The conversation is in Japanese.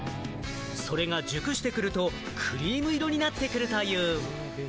それが熟してくると、クリーム色になってくるという。